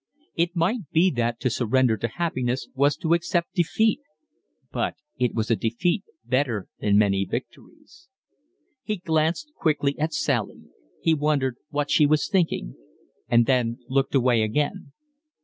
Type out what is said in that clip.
It might be that to surrender to happiness was to accept defeat, but it was a defeat better than many victories. He glanced quickly at Sally, he wondered what she was thinking, and then looked away again.